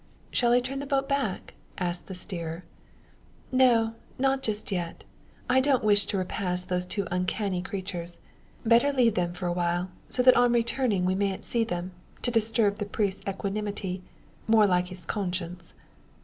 "Shall I turn the boat back?" asks the steerer. "No; not just yet. I don't wish to repass those two uncanny creatures. Better leave them awhile, so that on returning we mayn't see them, to disturb the priest's equanimity more like his conscience."